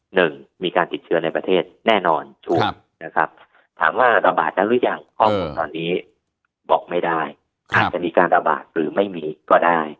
หนึ่งมีการติดเชื้อในประเทศแน่นอนถูกนะครับถามว่าระบาดแล้วหรือยังข้อมูลตอนนี้บอกไม่ได้อาจจะมีการระบาดหรือไม่มีก็ได้